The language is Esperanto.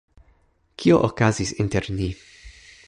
Kio okazis inter ni?